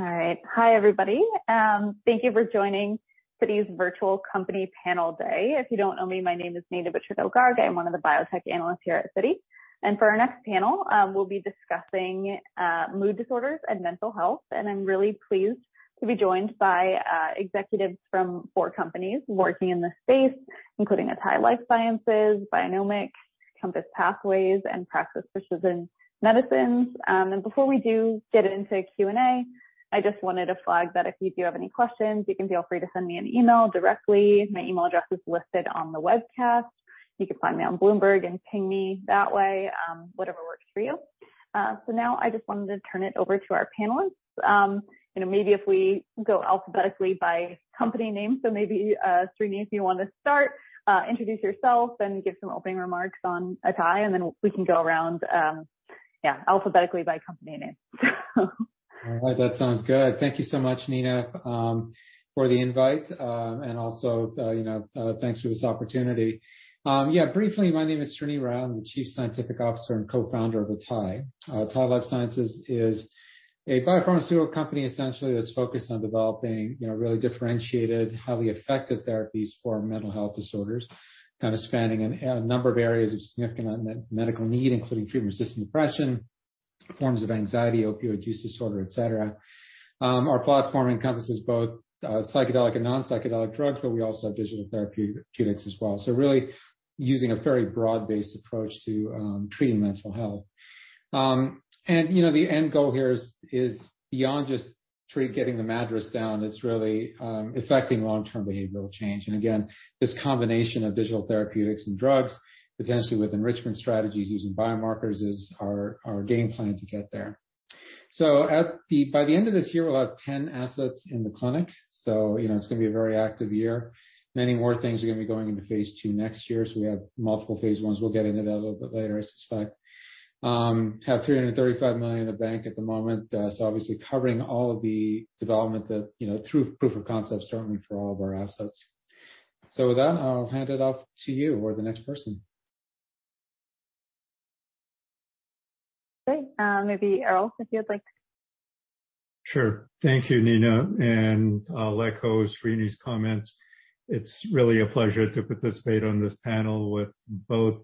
All right. Hi, everybody. Thank you for joining Citi's Virtual Company Panel Day. If you don't know me, my name is Nina Butrudel Garg. I'm one of the biotech analysts here at Citi. For our next panel, we'll be discussing mood disorders and mental health. I'm really pleased to be joined by executives from four companies working in this space, including Atai Life Sciences, Bionomics, Compass Pathways, and Praxis Precision Medicines. Before we do get into Q&A, I just wanted to flag that if you do have any questions, you can feel free to send me an email directly. My email address is listed on the webcast. You can find me on Bloomberg and ping me that way, whatever works for you. I just wanted to turn it over to our panelists. Maybe if we go alphabetically by company name. Maybe Srini, if you want to start, introduce yourself, then give some opening remarks on Atai, and then we can go around, yeah, alphabetically by company name. All right. That sounds good. Thank you so much, Nina, for the invite. Also, thanks for this opportunity. Yeah, briefly, my name is Srini Rao. I'm the Chief Scientific Officer and Co-founder of Atai. Atai Life Sciences is a biopharmaceutical company, essentially, that's focused on developing really differentiated, highly effective therapies for mental health disorders, kind of spanning a number of areas of significant medical need, including treatment-resistant depression, forms of anxiety, opioid use disorder, et cetera. Our platform encompasses both psychedelic and non-psychedelic drugs, but we also have digital therapeutics as well. Really using a very broad-based approach to treating mental health. The end goal here is beyond just getting the madness down. It's really affecting long-term behavioral change. Again, this combination of digital therapeutics and drugs, potentially with enrichment strategies using biomarkers, is our game plan to get there. By the end of this year, we'll have 10 assets in the clinic. It's going to be a very active year. Many more things are going to be going into phase II next year. We have multiple phase Is. We'll get into that a little bit later, I suspect. Have $335 million in the bank at the moment. Obviously covering all of the development through proof of concept, certainly for all of our assets. With that, I'll hand it off to you or the next person. Great. Maybe Errol, if you'd like. Sure. Thank you, Nina. I'll echo Srini's comments. It's really a pleasure to participate on this panel with both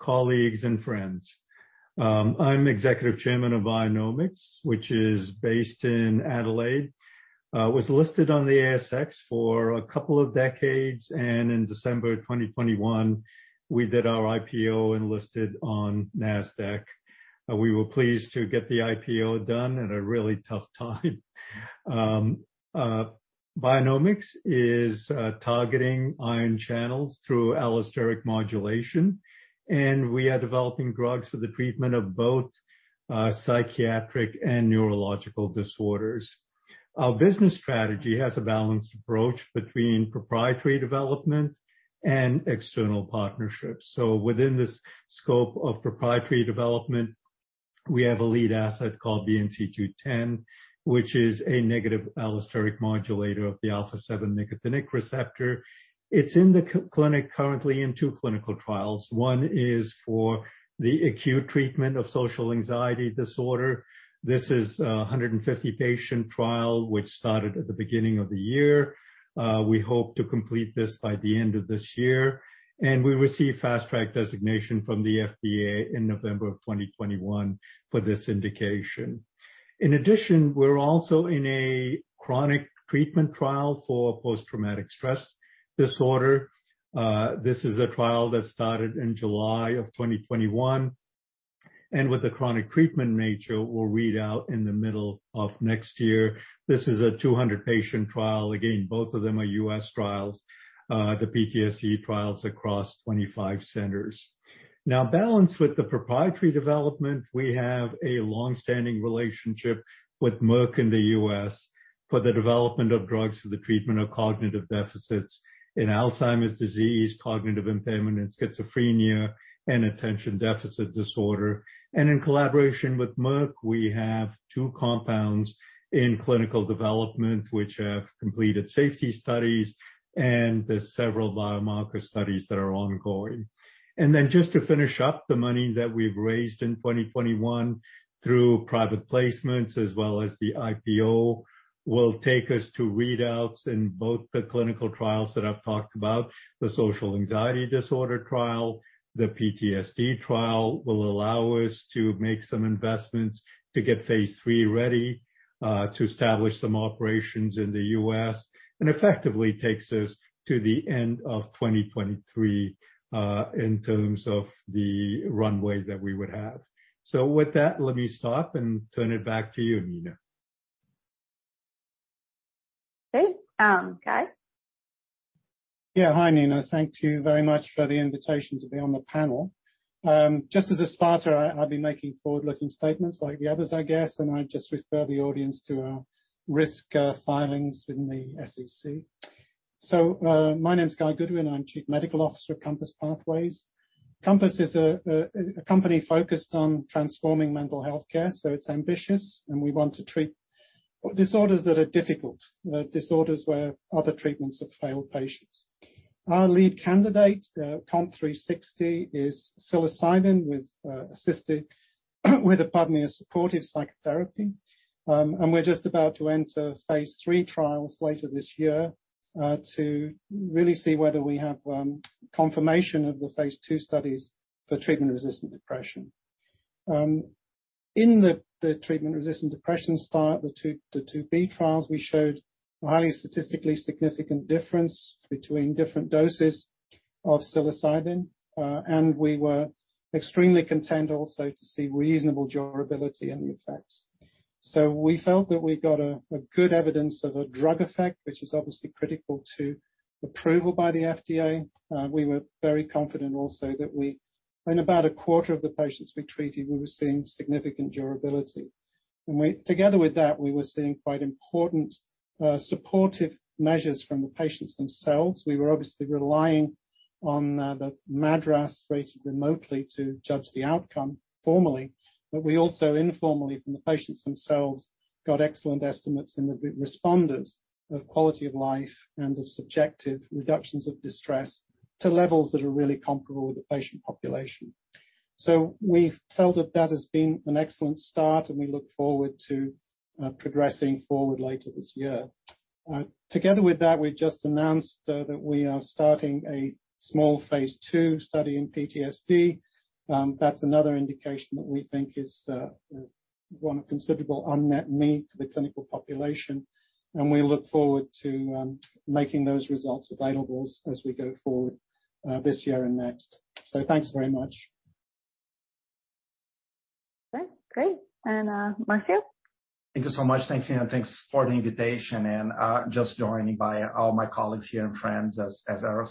colleagues and friends. I'm Executive Chairman of Bionomics, which is based in Adelaide. It was listed on the ASX for a couple of decades. In December 2021, we did our IPO and listed on NASDAQ. We were pleased to get the IPO done at a really tough time. Bionomics is targeting ion channels through allosteric modulation. We are developing drugs for the treatment of both psychiatric and neurological disorders. Our business strategy has a balanced approach between proprietary development and external partnerships. Within this scope of proprietary development, we have a lead asset called BNC210, which is a negative allosteric modulator of the alpha-7 nicotinic receptor. It's in the clinic currently in two clinical trials. One is for the acute treatment of social anxiety disorder. This is a 150-patient trial, which started at the beginning of the year. We hope to complete this by the end of this year. We received fast-track designation from the FDA in November of 2021 for this indication. In addition, we're also in a chronic treatment trial for post-traumatic stress disorder. This is a trial that started in July of 2021. With the chronic treatment nature, we'll read out in the middle of next year. This is a 200-patient trial. Again, both of them are U.S. trials, the PTSD trial is across 25 centers. Now, balanced with the proprietary development, we have a long-standing relationship with Merck in the U.S. for the development of drugs for the treatment of cognitive deficits in Alzheimer's disease, cognitive impairment, schizophrenia, and attention deficit disorder. In collaboration with Merck, we have two compounds in clinical development, which have completed safety studies. There are several biomarker studies that are ongoing. Just to finish up, the money that we have raised in 2021 through private placements, as well as the IPO, will take us to readouts in both the clinical trials that I have talked about, the social anxiety disorder trial, the PTSD trial, will allow us to make some investments to get phase III ready, to establish some operations in the U.S., and effectively takes us to the end of 2023 in terms of the runway that we would have. With that, let me stop and turn it back to you, Nina. Okay. Guy? Yeah. Hi, Nina. Thank you very much for the invitation to be on the panel. Just as a starter, I'll be making forward-looking statements like the others, I guess. I just refer the audience to our risk filings in the SEC. My name is Guy Goodwin. I'm Chief Medical Officer of Compass Pathways. Compass is a company focused on transforming mental health care. It is ambitious. We want to treat disorders that are difficult, disorders where other treatments have failed patients. Our lead candidate, COMP360, is psilocybin with a supportive psychotherapy. We're just about to enter phase III trials later this year to really see whether we have confirmation of the phase II studies for treatment-resistant depression. In the treatment-resistant depression start, the two B trials, we showed a highly statistically significant difference between different doses of psilocybin. We were extremely content also to see reasonable durability in the effects. We felt that we got good evidence of a drug effect, which is obviously critical to approval by the FDA. We were very confident also that in about a quarter of the patients we treated, we were seeing significant durability. Together with that, we were seeing quite important supportive measures from the patients themselves. We were obviously relying on the MADRS rated remotely to judge the outcome formally. We also informally from the patients themselves got excellent estimates in the responders of quality of life and of subjective reductions of distress to levels that are really comparable with the patient population. We felt that that has been an excellent start. We look forward to progressing forward later this year. Together with that, we just announced that we are starting a small phase II study in PTSD. That is another indication that we think is one of considerable unmet needs for the clinical population. We look forward to making those results available as we go forward this year and next. Thanks very much. Okay. Great. Marcio? Thank you so much. Thanks, Nina. Thanks for the invitation. Just joining by all my colleagues here and friends as Errol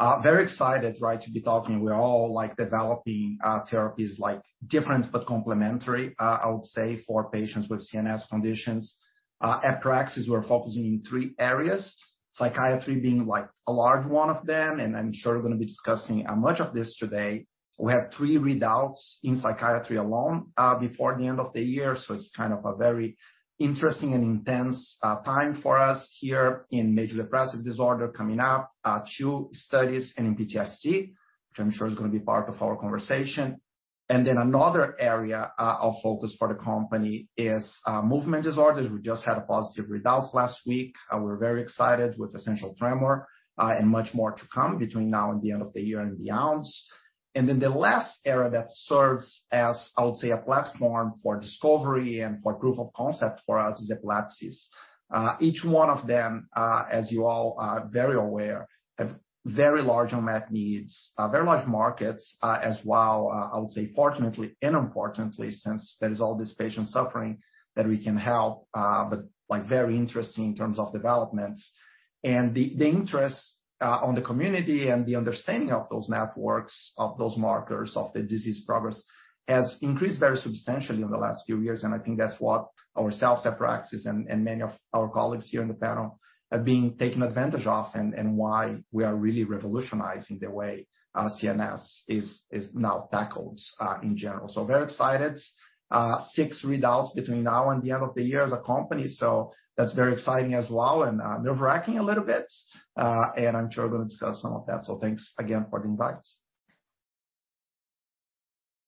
said. Very excited to be talking. We're all developing therapies like different but complementary, I would say, for patients with CNS conditions. At Praxis, we're focusing in three areas, psychiatry being a large one of them. I'm sure we're going to be discussing much of this today. We have three readouts in psychiatry alone before the end of the year. It's kind of a very interesting and intense time for us here in major depressive disorder coming up, two studies, and in PTSD, which I'm sure is going to be part of our conversation. Another area of focus for the company is movement disorders. We just had a positive readout last week. We're very excited with essential tremor and much more to come between now and the end of the year and beyond. The last area that serves as, I would say, a platform for discovery and for proof of concept for us is epilepsies. Each one of them, as you all are very aware, have very large unmet needs, very large markets as well, I would say, fortunately and unfortunately, since there is all this patient suffering that we can help. Very interesting in terms of developments. The interest on the community and the understanding of those networks of those markers of the disease progress has increased very substantially in the last few years. I think that's what ourselves, Praxis, and many of our colleagues here on the panel have been taking advantage of and why we are really revolutionizing the way CNS is now tackled in general. Very excited. Six readouts between now and the end of the year as a company. That's very exciting as well and nerve-wracking a little bit. I'm sure we're going to discuss some of that. Thanks again for the invites.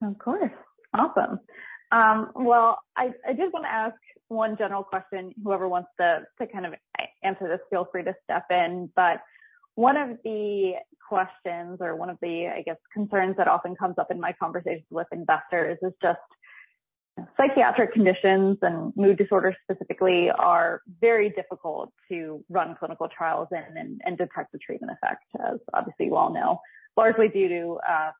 Of course. Awesome. I did want to ask one general question. Whoever wants to kind of answer this, feel free to step in. One of the questions or one of the, I guess, concerns that often comes up in my conversations with investors is just psychiatric conditions and mood disorders specifically are very difficult to run clinical trials in and detect the treatment effect, as obviously you all know, largely due to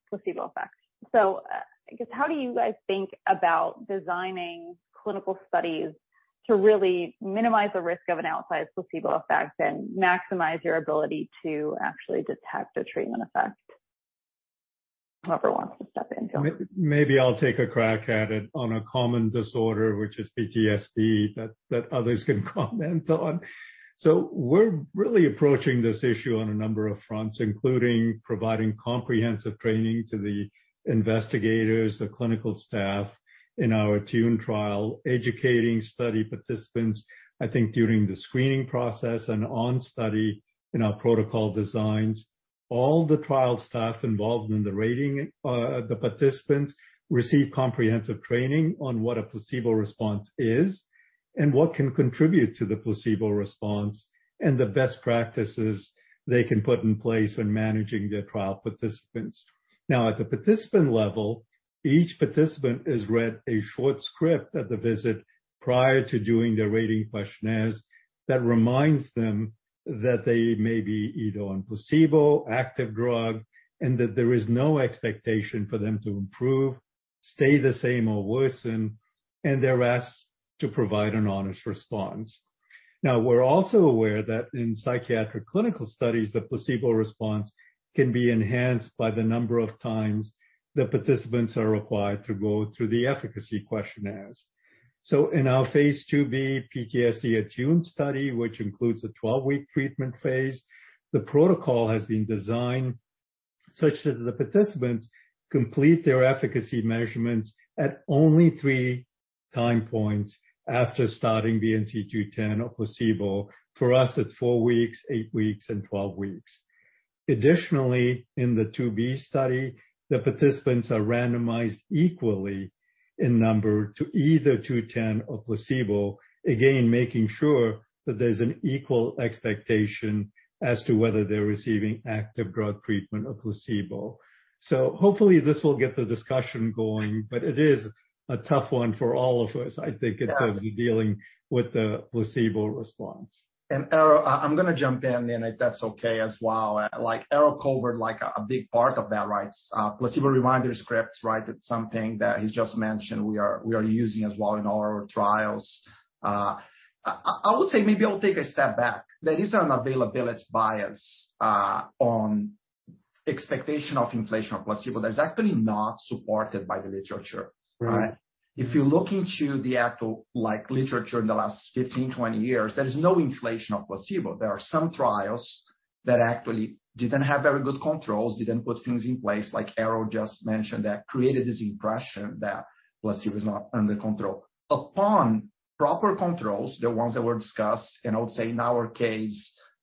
placebo effects. I guess, how do you guys think about designing clinical studies to really minimize the risk of an outsized placebo effect and maximize your ability to actually detect a treatment effect? Whoever wants to step in. Maybe I'll take a crack at it on a common disorder, which is PTSD, that others can comment on. We're really approaching this issue on a number of fronts, including providing comprehensive training to the investigators, the clinical staff in our ATTUNE trial, educating study participants, I think, during the screening process and on study in our protocol designs. All the trial staff involved in the rating of the participants receive comprehensive training on what a placebo response is and what can contribute to the placebo response and the best practices they can put in place when managing their trial participants. Now, at the participant level, each participant is read a short script at the visit prior to doing their rating questionnaires that reminds them that they may be either on placebo, active drug, and that there is no expectation for them to improve, stay the same, or worsen, and they're asked to provide an honest response. Now, we're also aware that in psychiatric clinical studies, the placebo response can be enhanced by the number of times the participants are required to go through the efficacy questionnaires. In our phase IIb PTSD at ATTUNE study, which includes a 12-week treatment phase, the protocol has been designed such that the participants complete their efficacy measurements at only three time points after starting BNC210 or placebo. For us, it's four weeks, eight weeks, and 12 weeks. Additionally, in the phase IIb study, the participants are randomized equally in number to either GRX-917 or placebo, again, making sure that there is an equal expectation as to whether they are receiving active drug treatment or placebo. Hopefully this will get the discussion going. It is a tough one for all of us, I think, in terms of dealing with the placebo response. Errol, I'm going to jump in, Nina, if that's okay as well. Errol de Souza is a big part of that, right? Placebo reminder scripts, right? It's something that he just mentioned we are using as well in all our trials. I would say maybe I'll take a step back. There is an availability bias on expectation of inflation of placebo. That is actually not supported by the literature, right? If you look into the actual literature in the last 15-20 years, there is no inflation of placebo. There are some trials that actually didn't have very good controls, didn't put things in place, like Errol just mentioned, that created this impression that placebo is not under control. Upon proper controls, the ones that were discussed, and I would say in our case,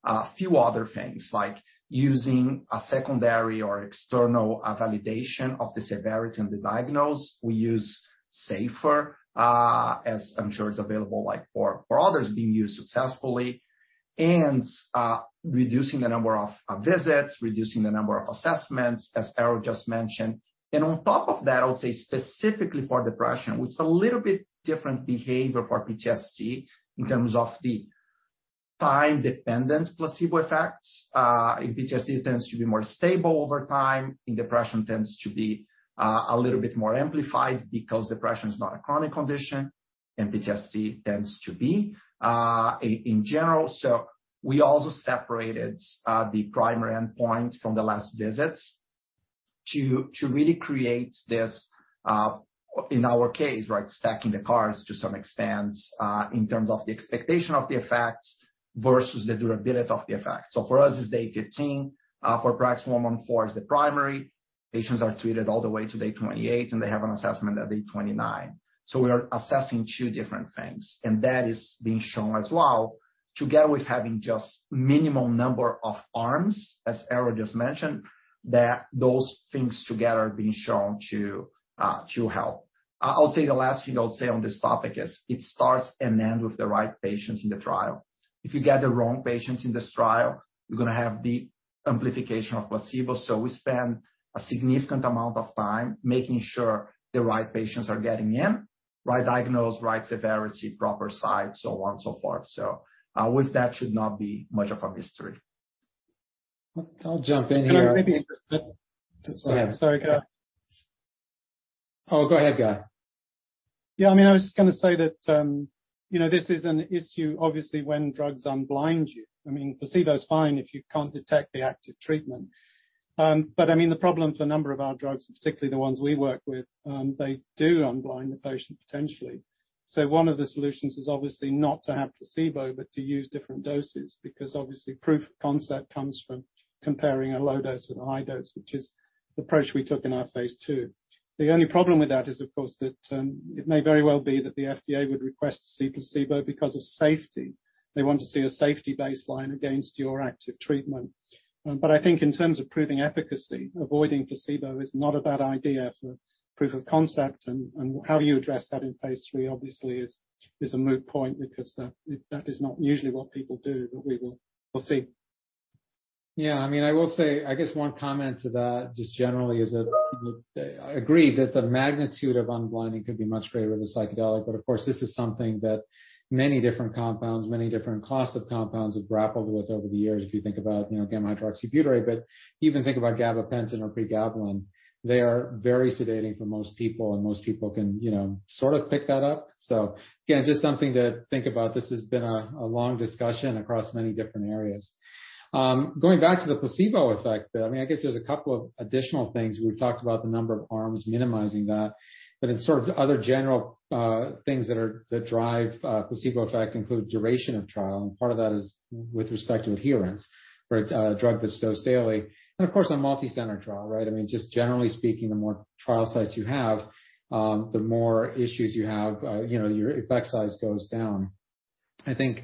a few other things, like using a secondary or external validation of the severity and the diagnose, we use CAPS-5, as I'm sure it's available for others being used successfully, and reducing the number of visits, reducing the number of assessments, as Errol just mentioned. On top of that, I would say specifically for depression, which is a little bit different behavior for PTSD in terms of the time-dependent placebo effects. In PTSD, it tends to be more stable over time. In depression, it tends to be a little bit more amplified because depression is not a chronic condition. PTSD tends to be in general. We also separated the primary endpoint from the last visits to really create this, in our case, stacking the cards to some extent in terms of the expectation of the effects versus the durability of the effects. For us, it's day 15. For Praxis 114, it is the primary. Patients are treated all the way to day 28, and they have an assessment at day 29. We are assessing two different things. That is being shown as well together with having just a minimal number of arms, as Errol just mentioned, that those things together are being shown to help. I would say the last thing I would say on this topic is it starts and ends with the right patients in the trial. If you get the wrong patients in this trial, you're going to have the amplification of placebo. We spend a significant amount of time making sure the right patients are getting in, right diagnose, right severity, proper site, so on and so forth. With that, it should not be much of a mystery. I'll jump in here. Sorry. Oh, go ahead, Guy. Yeah. I mean, I was just going to say that this is an issue, obviously, when drugs unblind you. I mean, placebo is fine if you can't detect the active treatment. I mean, the problem for a number of our drugs, particularly the ones we work with, they do unblind the patient potentially. One of the solutions is obviously not to have placebo, but to use different doses because obviously proof of concept comes from comparing a low dose with a high dose, which is the approach we took in our phase II. The only problem with that is, of course, that it may very well be that the FDA would request to see placebo because of safety. They want to see a safety baseline against your active treatment. I think in terms of proving efficacy, avoiding placebo is not a bad idea for proof of concept. How do you address that in phase III, obviously, is a moot point because that is not usually what people do, but we will see. Yeah. I mean, I will say, I guess one comment to that just generally is that I agree that the magnitude of unblinding could be much greater with a psychedelic. Of course, this is something that many different compounds, many different classes of compounds have grappled with over the years. If you think about gamma-hydroxybutyrate, but even think about gabapentin or pregabalin, they are very sedating for most people. Most people can sort of pick that up. Again, just something to think about. This has been a long discussion across many different areas. Going back to the placebo effect, I mean, I guess there's a couple of additional things. We've talked about the number of arms minimizing that. In sort of other general things that drive placebo effect include duration of trial. Part of that is with respect to adherence for a drug that's dosed daily. Of course, a multi-center trial, right? I mean, just generally speaking, the more trial sites you have, the more issues you have, your effect size goes down. I think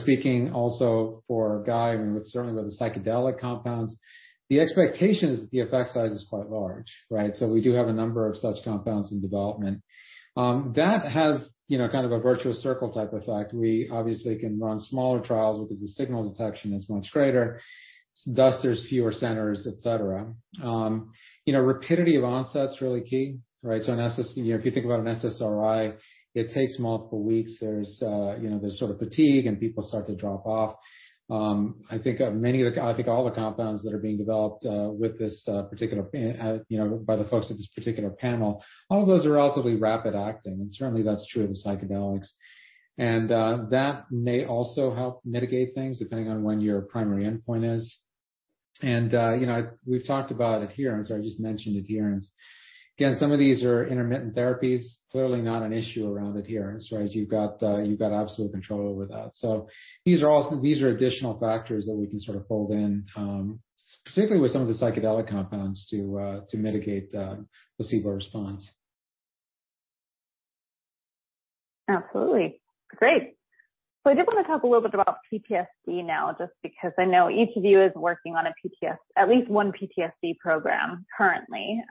speaking also for Guy, certainly with the psychedelic compounds, the expectation is that the effect size is quite large, right? We do have a number of such compounds in development. That has kind of a virtuous circle type effect. We obviously can run smaller trials because the signal detection is much greater. Thus, there's fewer centers, etc. Rapidity of onset is really key, right? If you think about an SSRI, it takes multiple weeks. There's sort of fatigue. People start to drop off. I think all the compounds that are being developed by the folks at this particular panel, all of those are relatively rapid acting. Certainly, that's true of the psychedelics. That may also help mitigate things depending on when your primary endpoint is. We've talked about adherence, or I just mentioned adherence. Again, some of these are intermittent therapies, clearly not an issue around adherence, right? You've got absolute control over that. These are additional factors that we can sort of fold in, particularly with some of the psychedelic compounds to mitigate placebo response. Absolutely. Great. I did want to talk a little bit about PTSD now, just because I know each of you is working on at least one PTSD program currently.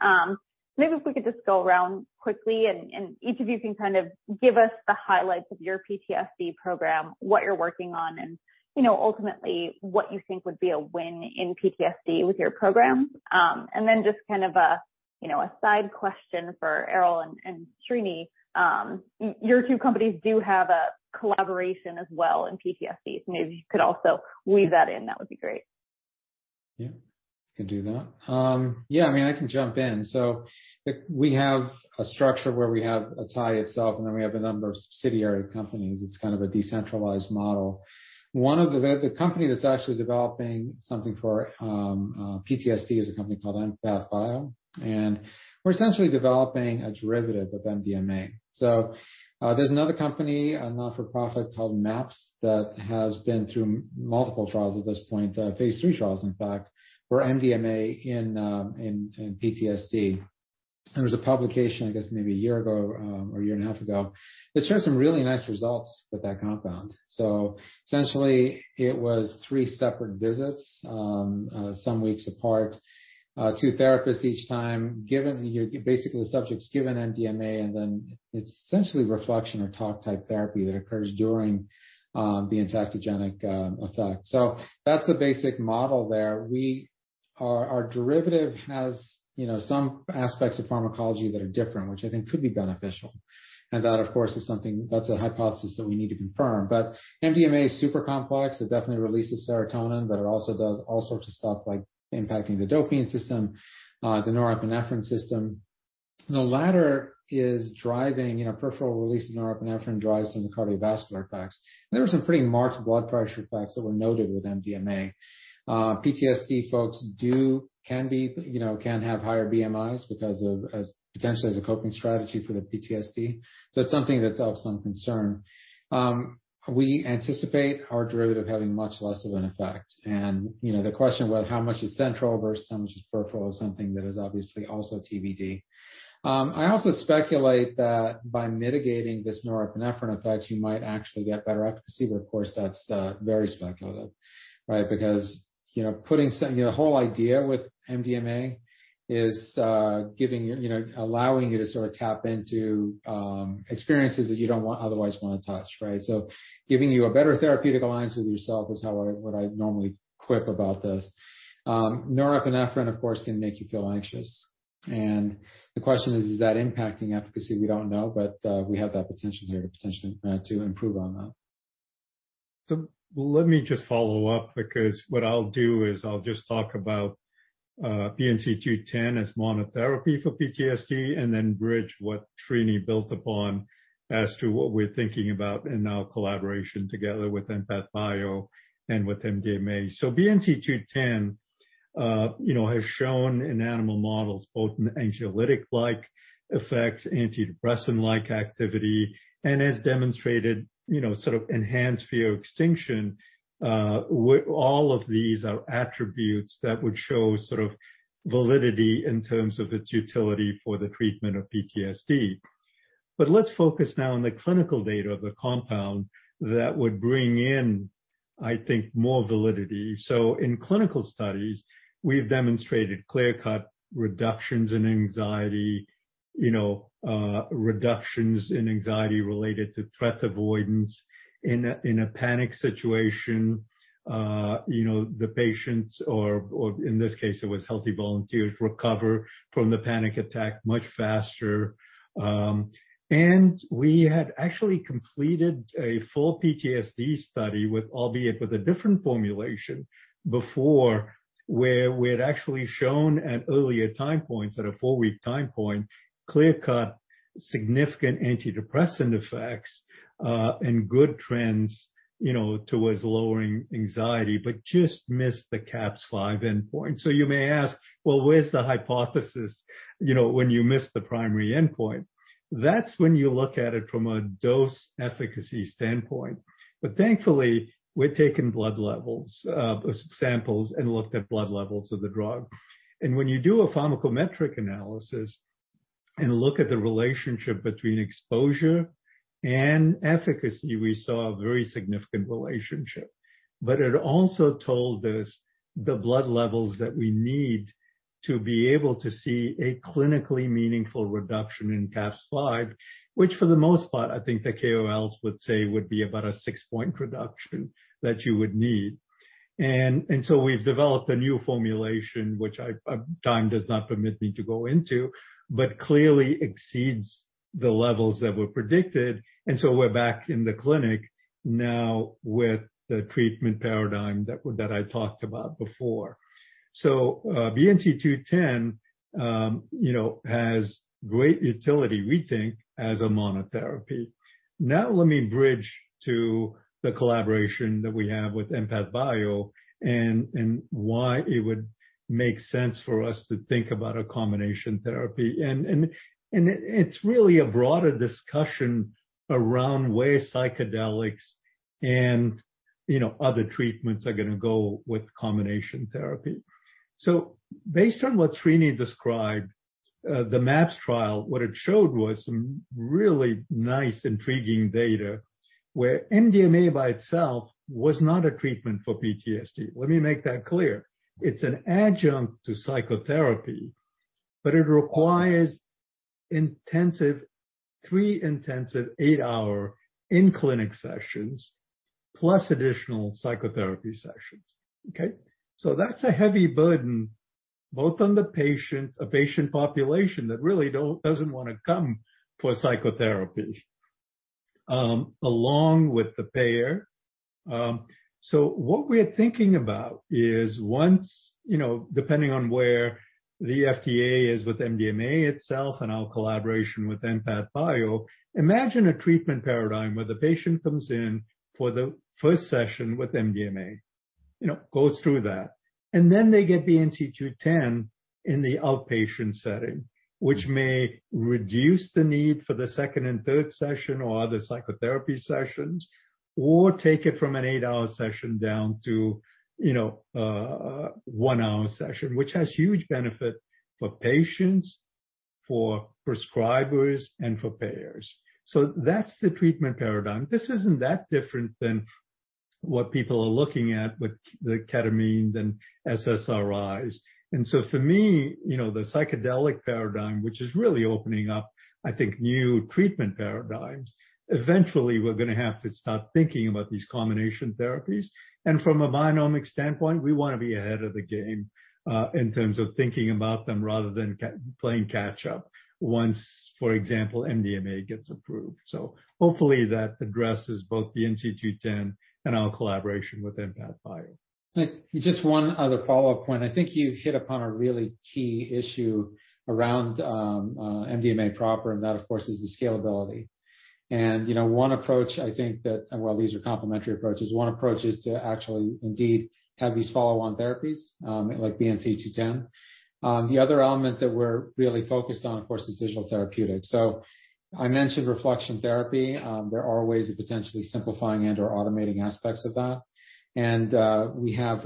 Maybe if we could just go around quickly and each of you can kind of give us the highlights of your PTSD program, what you're working on, and ultimately what you think would be a win in PTSD with your program. Just kind of a side question for Errol and Srini. Your two companies do have a collaboration as well in PTSD. Maybe if you could also weave that in, that would be great. Yeah. I can do that. Yeah. I mean, I can jump in. We have a structure where we have Atai itself. Then we have a number of subsidiary companies. It's kind of a decentralized model. The company that's actually developing something for PTSD is a company called Empath Bio. We're essentially developing a derivative of MDMA. There's another company, a not-for-profit called MAPS, that has been through multiple trials at this point, phase III trials, in fact, for MDMA in PTSD. There was a publication, I guess, maybe a year ago or a year and a half ago that showed some really nice results with that compound. Essentially, it was three separate visits, some weeks apart, two therapists each time. Basically, the subject's given MDMA. Then it's essentially reflection or talk-type therapy that occurs during the antagonistic effect. That's the basic model there. Our derivative has some aspects of pharmacology that are different, which I think could be beneficial. That, of course, is something that's a hypothesis that we need to confirm. MDMA is super complex. It definitely releases serotonin. It also does all sorts of stuff like impacting the dopamine system, the norepinephrine system. The latter is driving peripheral release of norepinephrine, drives some of the cardiovascular effects. There were some pretty marked blood pressure effects that were noted with MDMA. PTSD folks can have higher BMIs potentially as a coping strategy for the PTSD. It's something that's of some concern. We anticipate our derivative having much less of an effect. The question of how much is central versus how much is peripheral is something that is obviously also TBD. I also speculate that by mitigating this norepinephrine effect, you might actually get better efficacy. Of course, that's very speculative, right? Because the whole idea with MDMA is allowing you to sort of tap into experiences that you don't otherwise want to touch, right? Giving you a better therapeutic alliance with yourself is how I would normally quip about this. Norepinephrine, of course, can make you feel anxious. The question is, is that impacting efficacy? We don't know. We have that potential here to potentially try to improve on that. Let me just follow up because what I'll do is I'll just talk about BNC210 as monotherapy for PTSD and then bridge what Srini built upon as to what we're thinking about in our collaboration together with Empath Bio and with MDMA. BNC210 has shown in animal models both anxiolytic-like effects, antidepressant-like activity, and has demonstrated sort of enhanced fear extinction. All of these are attributes that would show sort of validity in terms of its utility for the treatment of PTSD. Let's focus now on the clinical data of the compound that would bring in, I think, more validity. In clinical studies, we've demonstrated clear-cut reductions in anxiety, reductions in anxiety related to threat avoidance. In a panic situation, the patients, or in this case, it was healthy volunteers, recover from the panic attack much faster. We had actually completed a full PTSD study, albeit with a different formulation before, where we had actually shown at earlier time points, at a four-week time point, clear-cut significant antidepressant effects and good trends towards lowering anxiety, but just missed the CAPS-5 endpoint. You may ask, well, where's the hypothesis when you missed the primary endpoint? That is when you look at it from a dose efficacy standpoint. Thankfully, we are taking blood samples and looked at blood levels of the drug. When you do a pharmacometric analysis and look at the relationship between exposure and efficacy, we saw a very significant relationship. It also told us the blood levels that we need to be able to see a clinically meaningful reduction in CAPS-5, which for the most part, I think the KOLs would say would be about a six-point reduction that you would need. We have developed a new formulation, which time does not permit me to go into, but clearly exceeds the levels that were predicted. We are back in the clinic now with the treatment paradigm that I talked about before. BNC210 has great utility, we think, as a monotherapy. Now let me bridge to the collaboration that we have with Empath Bio and why it would make sense for us to think about a combination therapy. It is really a broader discussion around where psychedelics and other treatments are going to go with combination therapy. Based on what Srini described, the MAPS trial, what it showed was some really nice, intriguing data where MDMA by itself was not a treatment for PTSD. Let me make that clear. It's an adjunct to psychotherapy. It requires three intensive eight-hour in-clinic sessions plus additional psychotherapy sessions, okay? That's a heavy burden both on the patient, a patient population that really doesn't want to come for psychotherapy, along with the payer. What we're thinking about is, depending on where the FDA is with MDMA itself and our collaboration with Empath Bio, imagine a treatment paradigm where the patient comes in for the first session with MDMA, goes through that. They get BNC210 in the outpatient setting, which may reduce the need for the second and third session or other psychotherapy sessions, or take it from an eight-hour session down to a one-hour session, which has huge benefit for patients, for prescribers, and for payers. That is the treatment paradigm. This is not that different than what people are looking at with the ketamines and SSRIs. For me, the psychedelic paradigm, which is really opening up, I think, new treatment paradigms, eventually, we are going to have to start thinking about these combination therapies. From a Bionomics standpoint, we want to be ahead of the game in terms of thinking about them rather than playing catch-up once, for example, MDMA gets approved. Hopefully, that addresses both BNC210 and our collaboration with Empath Bio. Just one other follow-up point. I think you hit upon a really key issue around MDMA proper. That, of course, is the scalability. One approach, I think that, well, these are complementary approaches. One approach is to actually indeed have these follow-on therapies like BNC210. The other element that we're really focused on, of course, is digital therapeutics. I mentioned reflection therapy. There are ways of potentially simplifying and/or automating aspects of that. We have,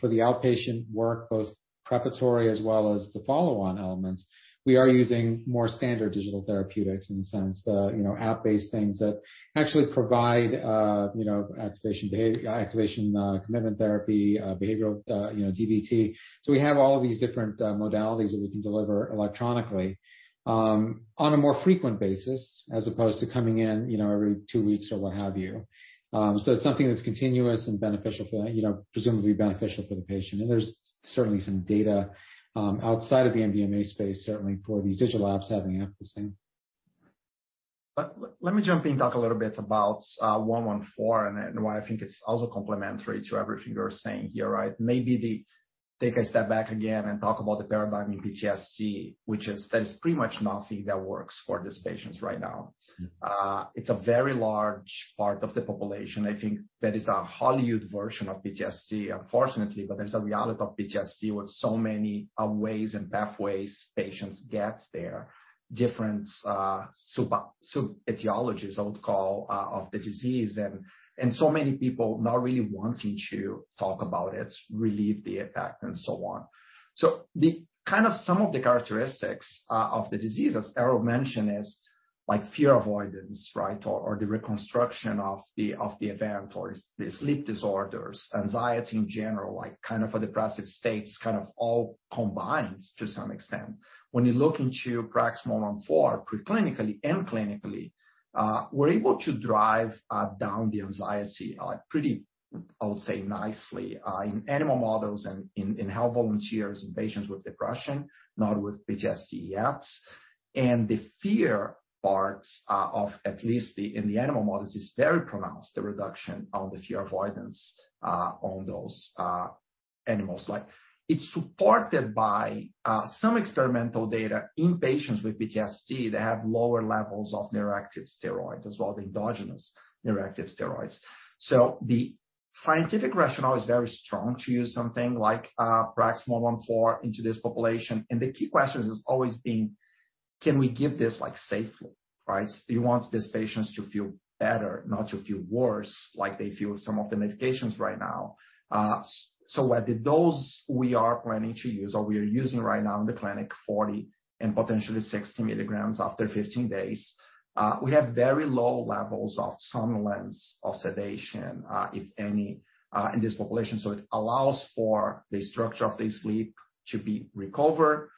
for the outpatient work, both preparatory as well as the follow-on elements, we are using more standard digital therapeutics in the sense the app-based things that actually provide activation commitment therapy, behavioral DBT. We have all of these different modalities that we can deliver electronically on a more frequent basis as opposed to coming in every two weeks or what have you. It's something that's continuous and presumably beneficial for the patient. There's certainly some data outside of the MDMA space, certainly, for these digital apps having efficacy. Let me jump in and talk a little bit about 114 and why I think it's also complementary to everything you're saying here, right? Maybe take a step back again and talk about the paradigm in PTSD, which is that there is pretty much nothing that works for these patients right now. It's a very large part of the population. I think that is a Hollywood version of PTSD, unfortunately. There is a reality of PTSD with so many ways and pathways patients get there, different sub-etiologies, I would call, of the disease. So many people not really wanting to talk about it, relieve the effect, and so on. Kind of some of the characteristics of the disease, as Errol mentioned, is fear avoidance, right, or the reconstruction of the event, or the sleep disorders, anxiety in general, kind of a depressive state, kind of all combined to some extent. When you look into PRAX-114 preclinically and clinically, we're able to drive down the anxiety pretty, I would say, nicely in animal models and in healthy volunteers and patients with depression, not with PTSD apps. The fear parts of at least in the animal models is very pronounced, the reduction on the fear avoidance on those animals. It's supported by some experimental data in patients with PTSD that have lower levels of neuroactive steroids as well, the endogenous neuroactive steroids. The scientific rationale is very strong to use something like PRAX-114 into this population. The key question has always been, can we give this safely, right? You want these patients to feel better, not to feel worse like they feel with some of the medications right now. At the dose we are planning to use, or we are using right now in the clinic, 40 and potentially 60 milligrams after 15 days, we have very low levels of somnolence or sedation, if any, in this population. It allows for the structure of the sleep to be recovered,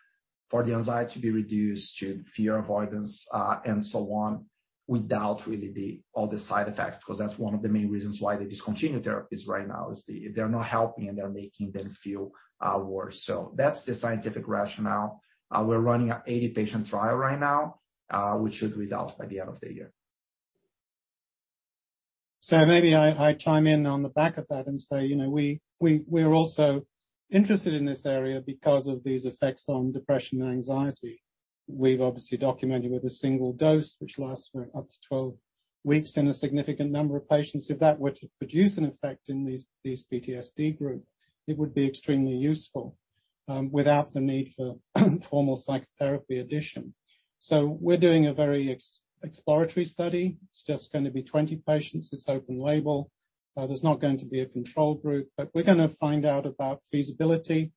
for the anxiety to be reduced, to fear avoidance, and so on, without really all the side effects. That's one of the main reasons why they discontinue therapies right now is they're not helping, and they're making them feel worse. That's the scientific rationale. We're running an 80-patient trial right now, which should result by the end of the year. Maybe I chime in on the back of that and say we're also interested in this area because of these effects on depression and anxiety. We've obviously documented with a single dose, which lasts for up to 12 weeks in a significant number of patients. If that were to produce an effect in these PTSD groups, it would be extremely useful without the need for formal psychotherapy addition. We're doing a very exploratory study. It's just going to be 20 patients. It's open label. There's not going to be a control group. We're going to find out about feasibility,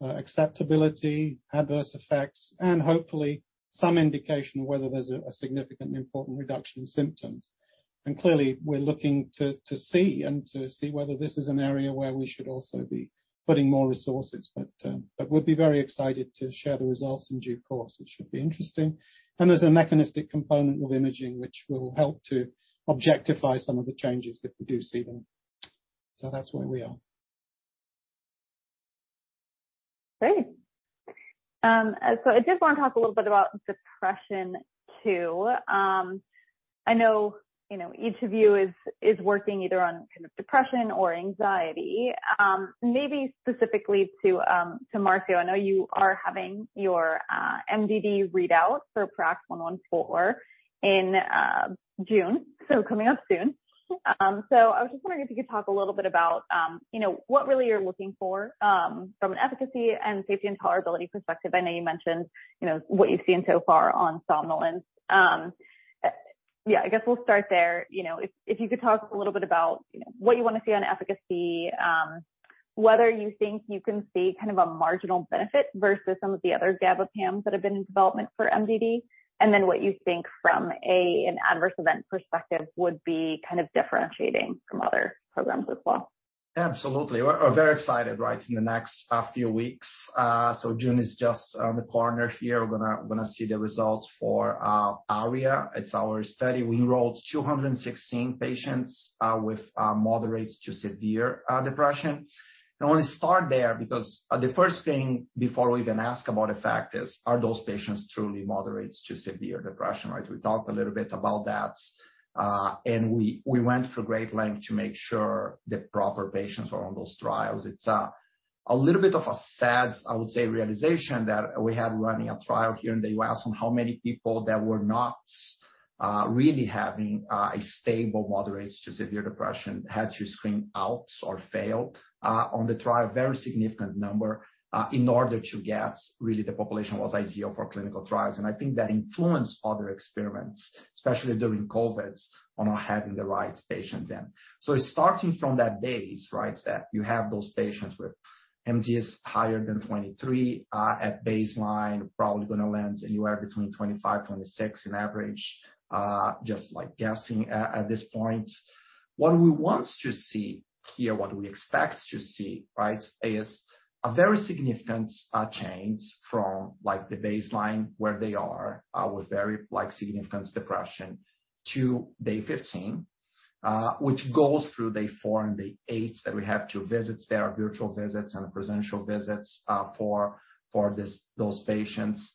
acceptability, adverse effects, and hopefully, some indication of whether there's a significant and important reduction in symptoms. Clearly, we're looking to see and to see whether this is an area where we should also be putting more resources. We'd be very excited to share the results in due course. It should be interesting. There's a mechanistic component of imaging, which will help to objectify some of the changes if we do see them. That's where we are. Great. I did want to talk a little bit about depression too. I know each of you is working either on kind of depression or anxiety. Maybe specifically to Marcio, I know you are having your MDD readout for PRAX-114 in June, so coming up soon. I was just wondering if you could talk a little bit about what really you're looking for from an efficacy and safety and tolerability perspective. I know you mentioned what you've seen so far on somnolence. I guess we'll start there. If you could talk a little bit about what you want to see on efficacy, whether you think you can see kind of a marginal benefit versus some of the other gabapentins that have been in development for MDD, and then what you think from an adverse event perspective would be kind of differentiating from other programs as well. Absolutely. We're very excited, right, in the next few weeks. June is just the corner here. We're going to see the results for ARIA. It's our study. We enrolled 216 patients with moderate to severe depression. I want to start there because the first thing before we even ask about effect is, are those patients truly moderate to severe depression, right? We talked a little bit about that. We went for great length to make sure the proper patients were on those trials. It's a little bit of a sad, I would say, realization that we had running a trial here in the U.S. on how many people that were not really having a stable moderate to severe depression had to screen out or fail on the trial, a very significant number, in order to get really the population was ideal for clinical trials. I think that influenced other experiments, especially during COVID, on not having the right patient then. Starting from that base, right, that you have those patients with MADRS higher than 23 at baseline, probably going to land anywhere between 25-26 in average, just like guessing at this point. What we want to see here, what we expect to see, right, is a very significant change from the baseline where they are with very significant depression to day 15, which goes through day four and day eight that we have to visit their virtual visits and the presumptional visits for those patients.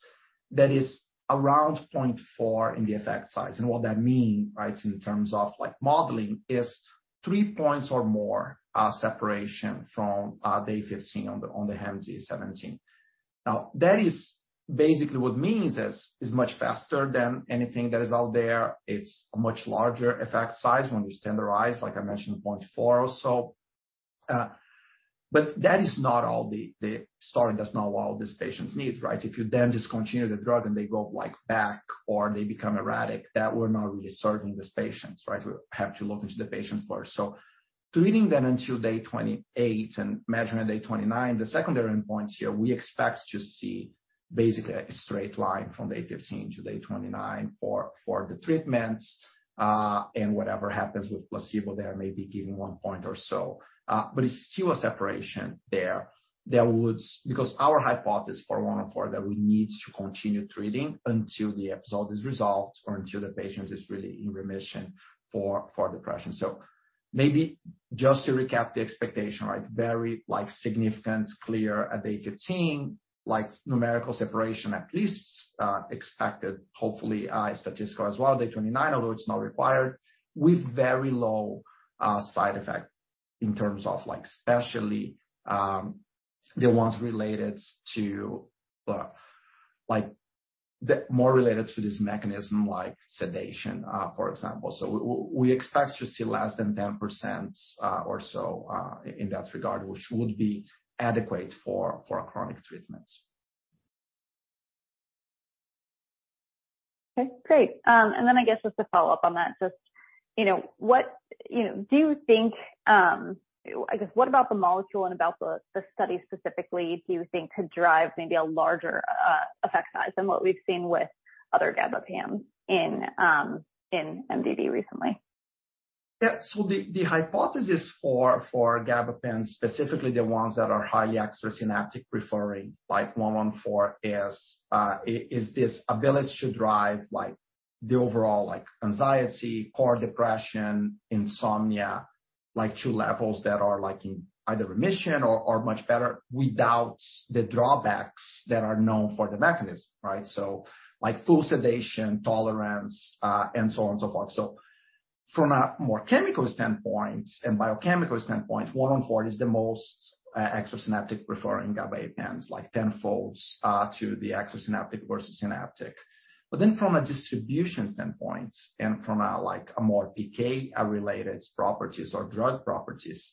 That is around 0.4 in the effect size. What that means, right, in terms of modeling, is three points or more separation from day 15 on the MADRS. That is basically what means is it's much faster than anything that is out there. It's a much larger effect size when we standardize, like I mentioned, 0.4 or so. That is not all the story does not allow these patients need, right? If you then discontinue the drug and they go back or they become erratic, that we're not really serving these patients, right? We have to look into the patient first. Treating them until day 28 and measuring at day 29, the secondary endpoints here, we expect to see basically a straight line from day 15 to day 29 for the treatments. Whatever happens with placebo, they are maybe giving one point or so. It's still a separation there because our hypothesis for 114 is that we need to continue treating until the episode is resolved or until the patient is really in remission for depression. Maybe just to recap the expectation, right, very significant, clear at day 15, numerical separation at least expected, hopefully, statistical as well, day 29, although it's not required, with very low side effect in terms of especially the ones more related to this mechanism like sedation, for example. We expect to see less than 10% or so in that regard, which would be adequate for chronic treatments. Okay. Great. I guess just to follow up on that, just what do you think, I guess, what about the molecule and about the study specifically do you think could drive maybe a larger effect size than what we've seen with other gabapentins in MDD recently? Yeah. The hypothesis for gabapentins, specifically the ones that are highly extra-synaptic preferring like 114, is this ability to drive the overall anxiety, core depression, insomnia, to levels that are in either remission or much better without the drawbacks that are known for the mechanism, right? Full sedation, tolerance, and so on and so forth. From a more chemical standpoint and biochemical standpoint, 114 is the most extra-synaptic preferring gabapentin, like 10-fold to the extra-synaptic versus synaptic. From a distribution standpoint and from more PK-related properties or drug properties,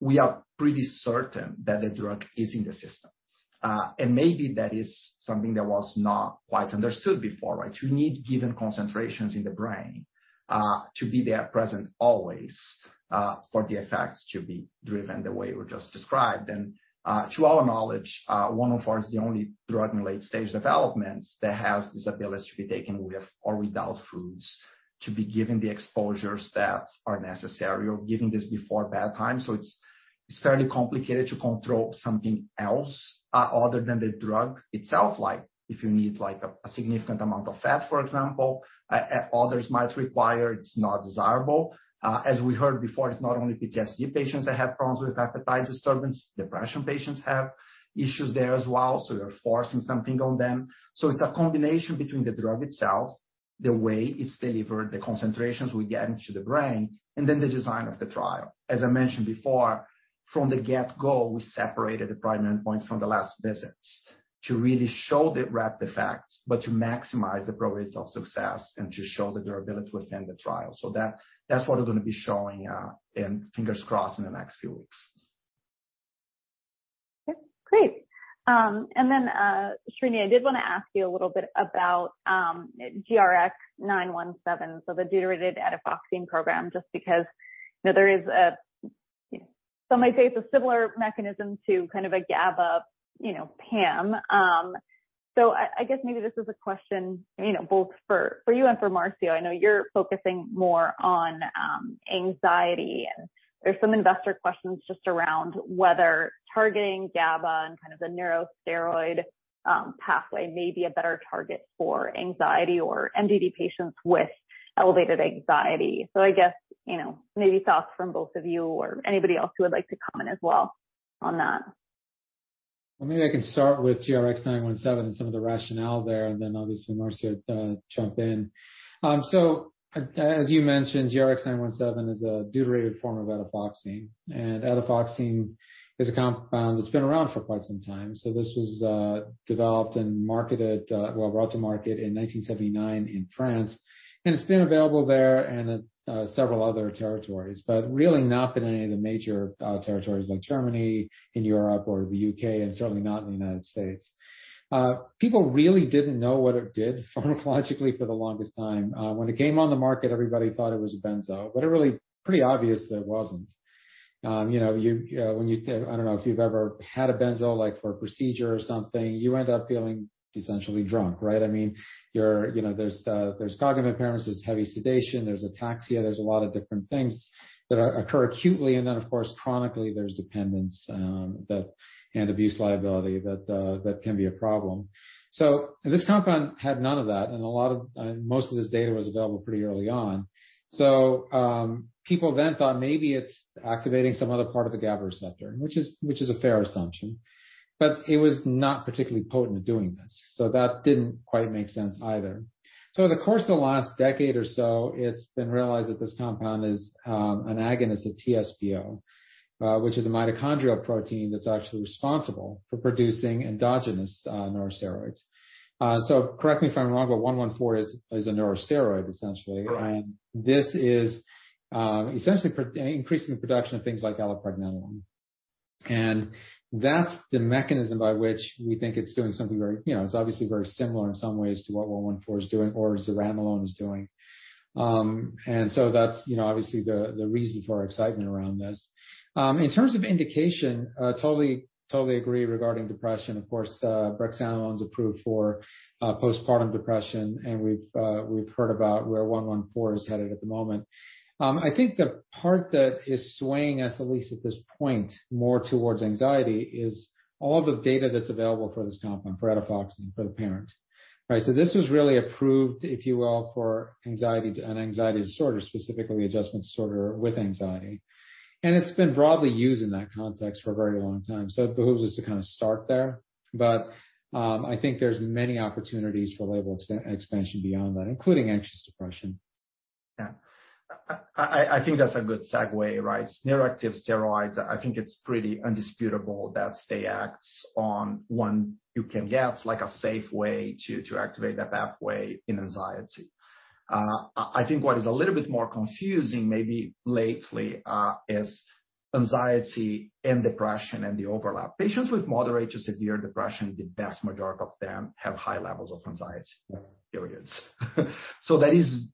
we are pretty certain that the drug is in the system. Maybe that is something that was not quite understood before, right? You need given concentrations in the brain to be there present always for the effects to be driven the way we just described. To our knowledge, 114 is the only drug in late-stage development that has this ability to be taken with or without foods, to be given the exposures that are necessary or given this before bedtime. It is fairly complicated to control something else other than the drug itself. If you need a significant amount of fat, for example, others might require, it is not desirable. As we heard before, it is not only PTSD patients that have problems with appetite disturbance. Depression patients have issues there as well. You are forcing something on them. It is a combination between the drug itself, the way it is delivered, the concentrations we get into the brain, and then the design of the trial. As I mentioned before, from the get-go, we separated the primary endpoint from the last visits to really show the rapid effects, but to maximize the probability of success and to show the durability within the trial. That is what we are going to be showing, and fingers crossed, in the next few weeks. Okay. Great. Srini, I did want to ask you a little bit about GRX-917, so the deuterated etifoxine program, just because there is, some might say it's a similar mechanism to kind of a GABA PAM. I guess maybe this is a question both for you and for Marcio. I know you're focusing more on anxiety. There's some investor questions just around whether targeting GABA and kind of the neurosteroid pathway may be a better target for anxiety or MDD patients with elevated anxiety. I guess maybe thoughts from both of you or anybody else who would like to comment as well on that. Maybe I can start with GRX-917 and some of the rationale there, and then obviously, Marco, jump in. As you mentioned, GRX-917 is a deuterated form of etifoxine. Etifoxine is a compound that's been around for quite some time. This was developed and marketed, brought to market in 1979 in France. It's been available there and in several other territories, but really not been in any of the major territories like Germany in Europe, or the U.K., and certainly not in the United States. People really didn't know what it did pharmacologically for the longest time. When it came on the market, everybody thought it was a benzo. It was pretty obvious that it wasn't. I don't know if you've ever had a benzo for a procedure or something. You end up feeling essentially drunk, right? I mean, there's cognitive impairments, there's heavy sedation, there's ataxia, there's a lot of different things that occur acutely. Of course, chronically, there's dependence and abuse liability that can be a problem. This compound had none of that. Most of this data was available pretty early on. People then thought maybe it's activating some other part of the GABA receptor, which is a fair assumption. It was not particularly potent at doing this. That didn't quite make sense either. Over the course of the last decade or so, it's been realized that this compound is an agonist, a TSPO, which is a mitochondrial protein that's actually responsible for producing endogenous neurosteroids. Correct me if I'm wrong, but 114 is a neurosteroid, essentially. This is essentially increasing the production of things like allopregnanolone. That is the mechanism by which we think it is doing something very, it is obviously very similar in some ways to what 114 is doing or zuranolone is doing. That is obviously the reason for our excitement around this. In terms of indication, totally agree regarding depression. Of course, brexanolone is approved for postpartum depression. We have heard about where 114 is headed at the moment. I think the part that is swaying us, at least at this point, more towards anxiety is all of the data that is available for this compound, for etifoxine, for the parent, right? This was really approved, if you will, for anxiety and anxiety disorder, specifically adjustment disorder with anxiety. It has been broadly used in that context for a very long time. It behooves us to kind of start there. I think there's many opportunities for label expansion beyond that, including anxious depression. Yeah. I think that's a good segue, right? Neuroactive steroids, I think it's pretty undisputable that they act on when you can get a safe way to activate that pathway in anxiety. I think what is a little bit more confusing maybe lately is anxiety and depression and the overlap. Patients with moderate to severe depression, the vast majority of them have high levels of anxiety periods. That is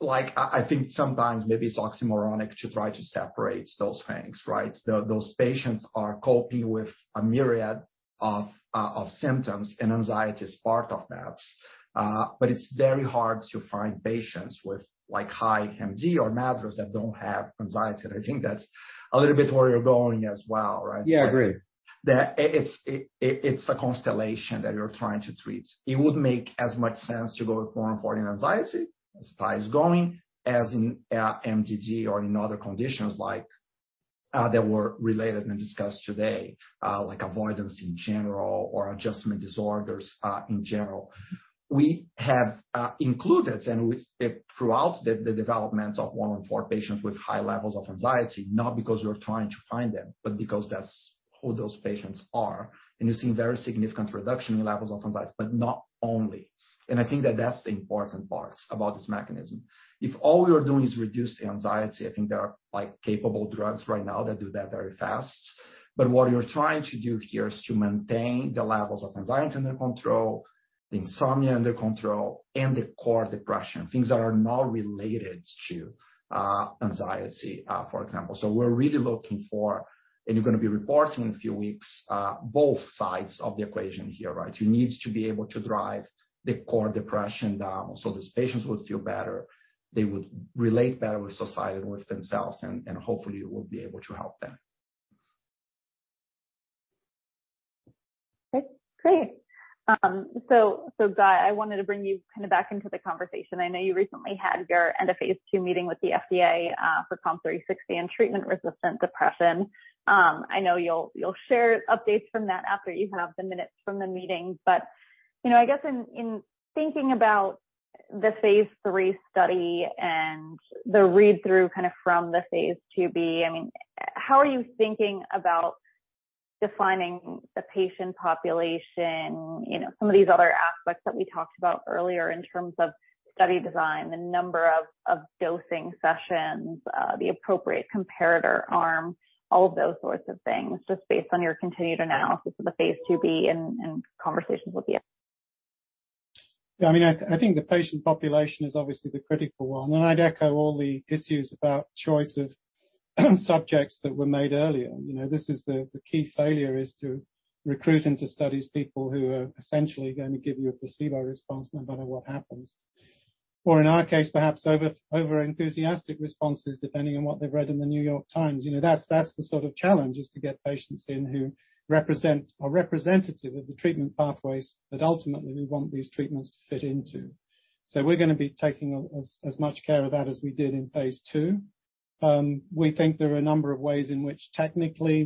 like, I think sometimes maybe it's oxymoronic to try to separate those things, right? Those patients are coping with a myriad of symptoms, and anxiety is part of that. It's very hard to find patients with high MD or madness that don't have anxiety. I think that's a little bit where you're going as well, right? Yeah, I agree. It's a constellation that you're trying to treat. It would make as much sense to go with 114 in anxiety as Atai is going as in MDD or in other conditions like that were related and discussed today, like avoidance in general or adjustment disorders in general. We have included and throughout the development of 114 patients with high levels of anxiety, not because we're trying to find them, but because that's who those patients are. You've seen very significant reduction in levels of anxiety, but not only. I think that that's the important part about this mechanism. If all you're doing is reduce the anxiety, I think there are capable drugs right now that do that very fast. What you're trying to do here is to maintain the levels of anxiety under control, the insomnia under control, and the core depression, things that are not related to anxiety, for example. We're really looking for, and you're going to be reporting in a few weeks, both sides of the equation here, right? You need to be able to drive the core depression down so these patients would feel better. They would relate better with society and with themselves, and hopefully, we'll be able to help them. Okay. Great. Guy, I wanted to bring you kind of back into the conversation. I know you recently had your end of phase II meeting with the FDA for COMP360 and treatment-resistant depression. I know you'll share updates from that after you have the minutes from the meeting. I guess in thinking about the phase III study and the read-through kind of from phase IIb, I mean, how are you thinking about defining the patient population, some of these other aspects that we talked about earlier in terms of study design, the number of dosing sessions, the appropriate comparator arm, all of those sorts of things just based on your continued analysis of phase IIb and conversations with the. Yeah. I mean, I think the patient population is obviously the critical one. I’d echo all the issues about choice of subjects that were made earlier. This is the key failure, is to recruit into studies people who are essentially going to give you a placebo response no matter what happens. In our case, perhaps over-enthusiastic responses depending on what they’ve read in the New York Times. That’s the sort of challenge, is to get patients in who represent or are representative of the treatment pathways that ultimately we want these treatments to fit into. We’re going to be taking as much care of that as we did in phase II. We think there are a number of ways in which technically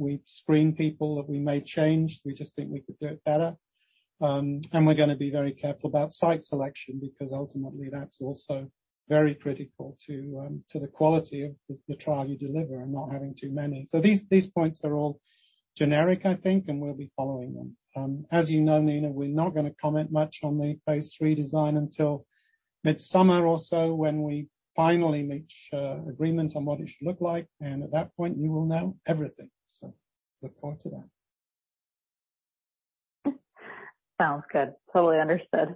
we screen people that we may change. We just think we could do it better. We're going to be very careful about site selection because ultimately that's also very critical to the quality of the trial you deliver and not having too many. These points are all generic, I think, and we'll be following them. As you know, Nina, we're not going to comment much on the phase III design until mid-summer or so when we finally reach agreement on what it should look like. At that point, you will know everything. Look forward to that. Sounds good. Totally understood.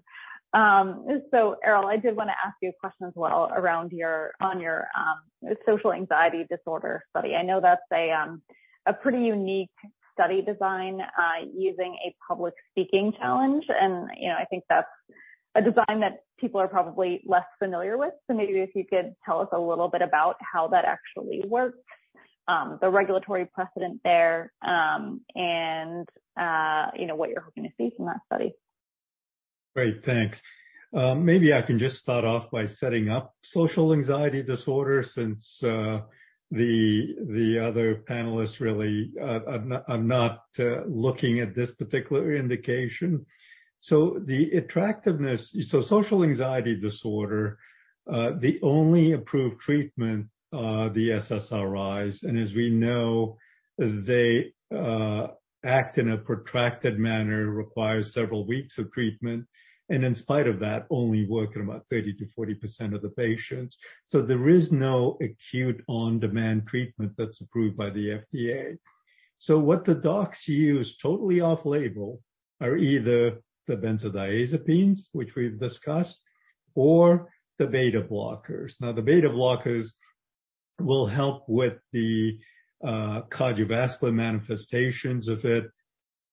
Errol, I did want to ask you a question as well around your social anxiety disorder study. I know that's a pretty unique study design using a public speaking challenge. I think that's a design that people are probably less familiar with. Maybe if you could tell us a little bit about how that actually works, the regulatory precedent there, and what you're hoping to see from that study. Great. Thanks. Maybe I can just start off by setting up social anxiety disorder since the other panelists really are not looking at this particular indication. The attractiveness, so social anxiety disorder, the only approved treatment, the SSRIs, and as we know, they act in a protracted manner, require several weeks of treatment. In spite of that, only work in about 30-40% of the patients. There is no acute on-demand treatment that's approved by the FDA. What the docs use totally off-label are either the benzodiazepines, which we've discussed, or the beta blockers. The beta blockers will help with the cardiovascular manifestations of it.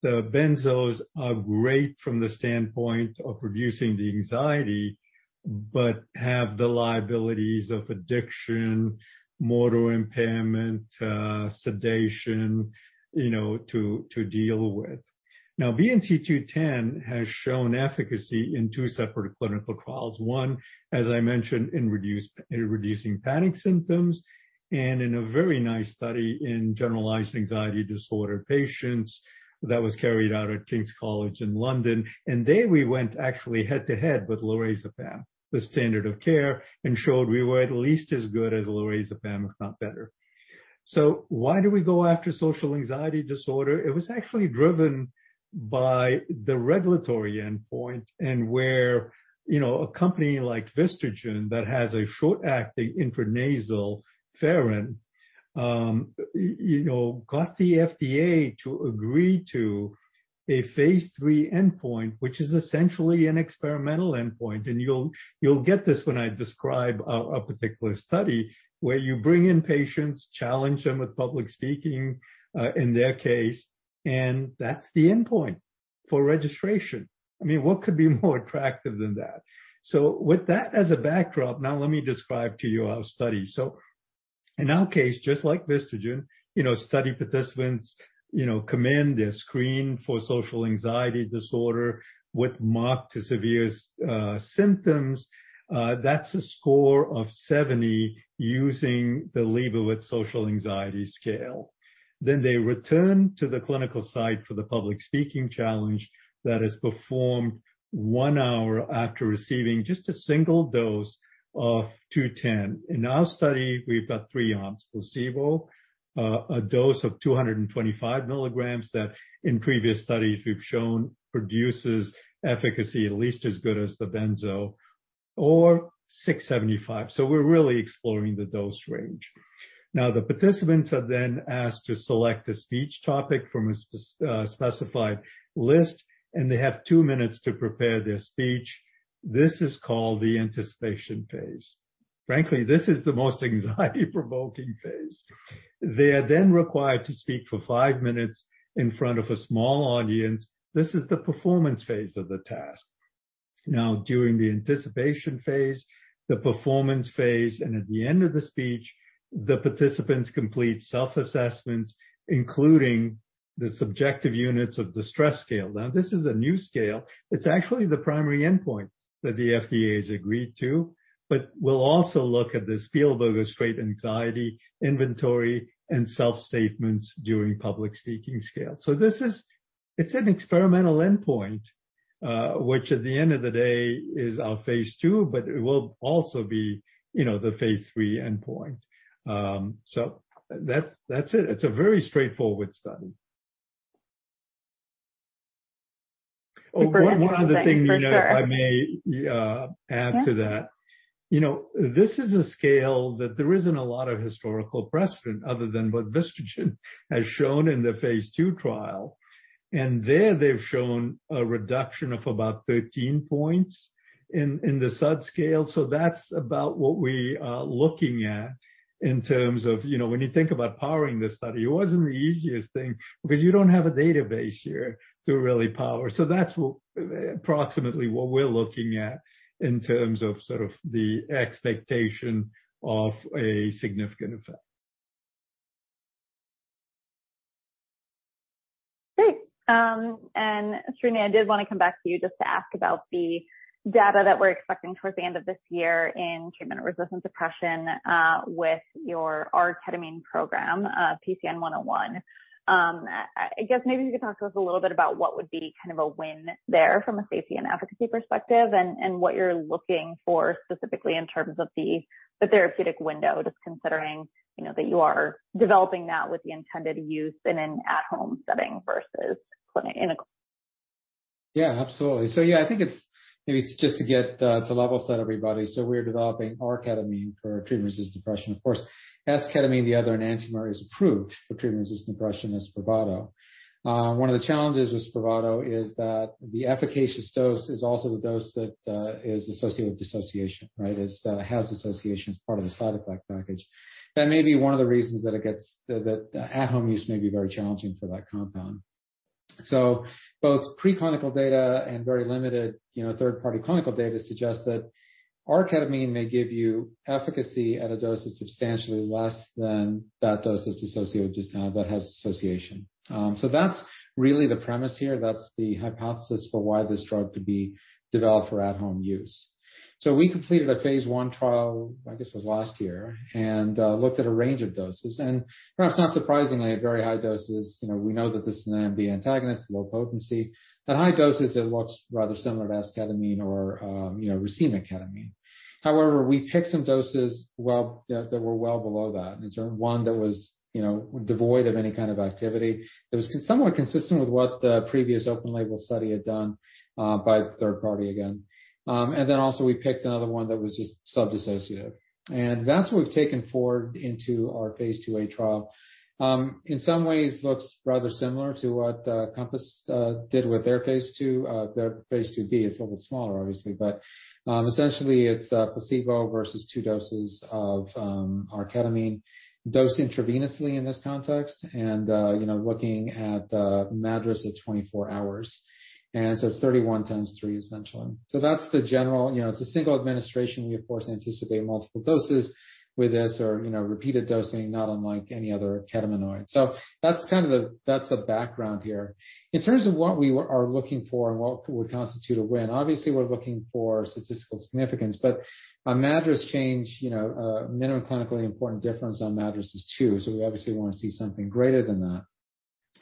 The benzos are great from the standpoint of reducing the anxiety but have the liabilities of addiction, motor impairment, sedation to deal with. Now, BNC210 has shown efficacy in two separate clinical trials. One, as I mentioned, in reducing panic symptoms and in a very nice study in generalized anxiety disorder patients that was carried out at King's College in London. There we went actually head-to-head with lorazepam, the standard of care, and showed we were at least as good as lorazepam, if not better. Why do we go after social anxiety disorder? It was actually driven by the regulatory endpoint and where a company like Vistagen that has a short-acting intranasal ferrin got the FDA to agree to a phase III endpoint, which is essentially an experimental endpoint. You will get this when I describe a particular study where you bring in patients, challenge them with public speaking in their case, and that is the endpoint for registration. I mean, what could be more attractive than that? With that as a backdrop, now let me describe to you our study. In our case, just like Vistagen, study participants commend their screen for social anxiety disorder with marked to severe symptoms. That is a score of 70 using the Liebowitz Social Anxiety Scale. They return to the clinical site for the public speaking challenge that is performed one hour after receiving just a single dose of 210. In our study, we have three arms, placebo, a dose of 225 milligrams that in previous studies we have shown produces efficacy at least as good as the benzo, or 675. We are really exploring the dose range. The participants are then asked to select a speech topic from a specified list, and they have two minutes to prepare their speech. This is called the anticipation phase. Frankly, this is the most anxiety-provoking phase. They are then required to speak for five minutes in front of a small audience. This is the performance phase of the task. Now, during the anticipation phase, the performance phase, and at the end of the speech, the participants complete self-assessments, including the subjective units of the stress scale. Now, this is a new scale. It's actually the primary endpoint that the FDA has agreed to, but we'll also look at this Spielberg state anxiety inventory and self-statements during public speaking scale. It's an experimental endpoint, which at the end of the day is our phase II, but it will also be the phase III endpoint. That's it. It's a very straightforward study. One other thing I may add to that. This is a scale that there isn't a lot of historical precedent other than what Vistagen has shown in the phase II trial. There they've shown a reduction of about 13 points in the subscale. That's about what we are looking at in terms of when you think about powering this study. It wasn't the easiest thing because you don't have a database here to really power. That's approximately what we're looking at in terms of sort of the expectation of a significant effect. Great. Srini, I did want to come back to you just to ask about the data that we're expecting towards the end of this year in treatment-resistant depression with your arketamine program, PCN-101. I guess maybe you could talk to us a little bit about what would be kind of a win there from a safety and efficacy perspective and what you're looking for specifically in terms of the therapeutic window just considering that you are developing that with the intended use in an at-home setting versus clinic. Yeah, absolutely. Yeah, I think it's just to get to levels that everybody, so we're developing arketamine for treatment-resistant depression. Of course, as ketamine, the other enantiomer is approved for treatment-resistant depression as Spravato. One of the challenges with Spravato is that the efficacious dose is also the dose that is associated with dissociation, right? It has dissociation as part of the side effect package. That may be one of the reasons that at-home use may be very challenging for that compound. Both preclinical data and very limited third-party clinical data suggest that arketamine may give you efficacy at a dose that's substantially less than that dose that's associated with that dissociation. That's really the premise here. That's the hypothesis for why this drug could be developed for at-home use. We completed a phase I trial, I guess it was last year, and looked at a range of doses. Perhaps not surprisingly, at very high doses, we know that this is an antibody antagonist, low potency. At high doses, it looks rather similar to as ketamine or racemic ketamine. However, we picked some doses that were well below that. One that was devoid of any kind of activity was somewhat consistent with what the previous open-label study had done by a third party again. Also, we picked another one that was just sub-dissociative. That is what we have taken forward into our phase IIa trial. In some ways, it looks rather similar to what Compass did with their phase II. phase IIb is a little bit smaller, obviously, but essentially it's placebo versus two doses of arketamine dosed intravenously in this context and looking at a MADRS at 24 hours. And so it's 31 times three, essentially. That's the general, it's a single administration. We, of course, anticipate multiple doses with this or repeated dosing, not unlike any other ketaminoid. That's kind of the background here. In terms of what we are looking for and what would constitute a win, obviously, we're looking for statistical significance, but a MADRS change, minimum clinically important difference on MADRS is two. We obviously want to see something greater than that.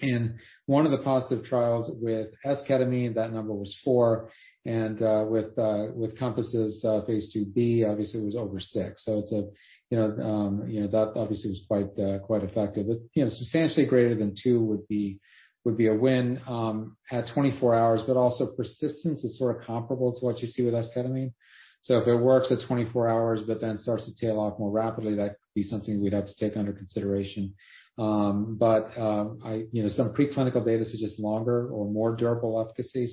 In one of the positive trials with esketamine, that number was four. With phase IIb, obviously, it was over six. That obviously was quite effective. Substantially greater than two would be a win at 24 hours, but also persistence is sort of comparable to what you see with esketamine. If it works at 24 hours, but then starts to tail off more rapidly, that could be something we'd have to take under consideration. Some preclinical data suggests longer or more durable efficacy.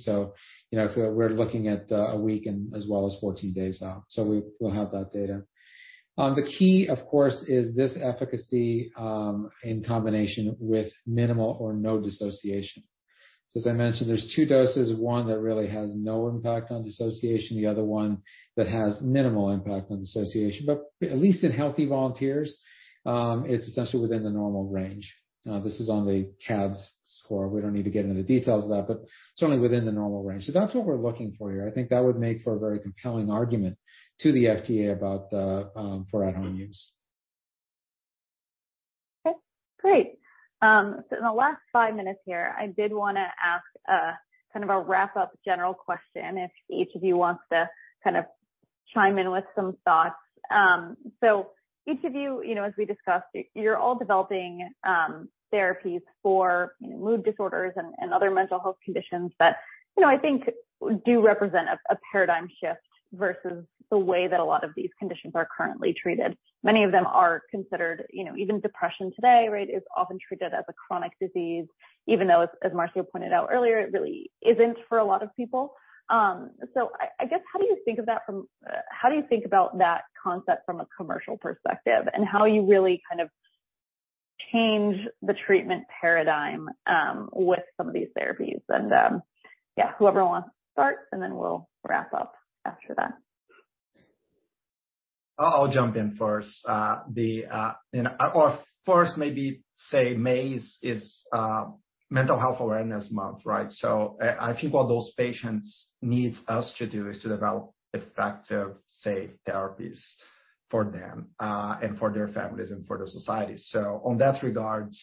We're looking at a week and as well as 14 days out. We'll have that data. The key, of course, is this efficacy in combination with minimal or no dissociation. As I mentioned, there's two doses, one that really has no impact on dissociation, the other one that has minimal impact on dissociation. At least in healthy volunteers, it's essentially within the normal range. This is on the CADS score. We don't need to get into the details of that, but certainly within the normal range. That's what we're looking for here. I think that would make for a very compelling argument to the FDA about for at-home use. Okay. Great. In the last five minutes here, I did want to ask kind of a wrap-up general question if each of you wants to kind of chime in with some thoughts. Each of you, as we discussed, you're all developing therapies for mood disorders and other mental health conditions that I think do represent a paradigm shift versus the way that a lot of these conditions are currently treated. Many of them are considered, even depression today, right, is often treated as a chronic disease, even though, as Marcio pointed out earlier, it really isn't for a lot of people. I guess, how do you think about that concept from a commercial perspective and how you really kind of change the treatment paradigm with some of these therapies? Yeah, whoever wants to start, and then we'll wrap up after that. I'll jump in first. Or first, maybe say May is Mental Health Awareness Month, right? I think what those patients need us to do is to develop effective, safe therapies for them and for their families and for the society. On that regards,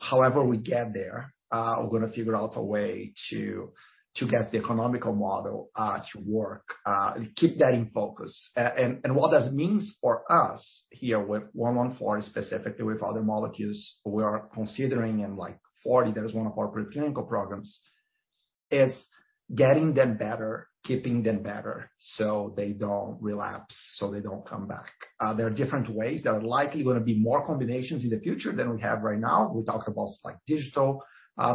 however we get there, we're going to figure out a way to get the economical model to work, keep that in focus. What that means for us here with 114, specifically with other molecules we are considering in 40, that is one of our preclinical programs, is getting them better, keeping them better so they don't relapse, so they don't come back. There are different ways that are likely going to be more combinations in the future than we have right now. We talked about digital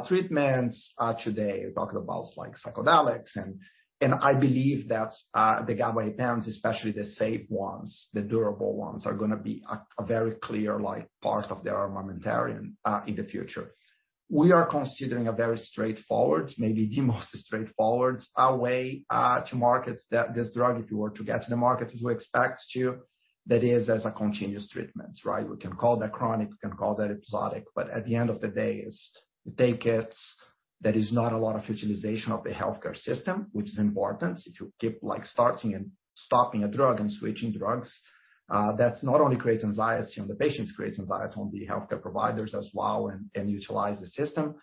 treatments today. We talked about psychedelics. I believe that the gabapentins, especially the safe ones, the durable ones, are going to be a very clear part of their armamentarium in the future. We are considering a very straightforward, maybe the most straightforward way to market this drug if you were to get to the market as we expect to, that is as a continuous treatment, right? We can call that chronic, we can call that episodic, but at the end of the day, you take it, there is not a lot of utilization of the healthcare system, which is important. If you keep starting and stopping a drug and switching drugs, that's not only creating anxiety on the patients, it creates anxiety on the healthcare providers as well and utilize the system,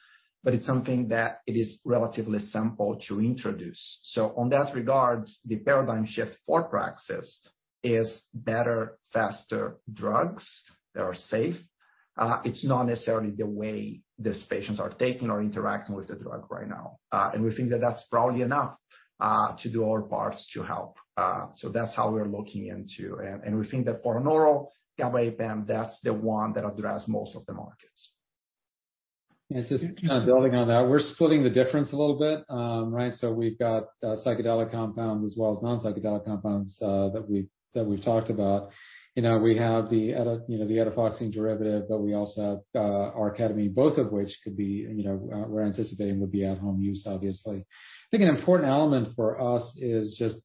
but it's something that is relatively simple to introduce. On that regard, the paradigm shift for Praxis is better, faster drugs that are safe. It's not necessarily the way these patients are taking or interacting with the drug right now. We think that that's probably enough to do our part to help. That's how we're looking into it. We think that for an oral gabapentin, that's the one that addressed most of the markets. Just building on that, we're splitting the difference a little bit, right? We've got psychedelic compounds as well as non-psychedelic compounds that we've talked about. We have the etifoxine derivative, but we also have our ketamine, both of which could be, we're anticipating would be, at-home use, obviously. I think an important element for us is just